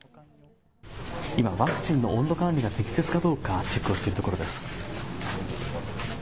今、ワクチンの温度管理が適切かどうかチェックをしているところです。